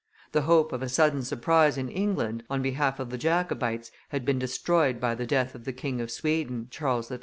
The hope of a sudden surprise in England, on behalf of the Jacobites, had been destroyed by the death of the King of Sweden, Charles XII.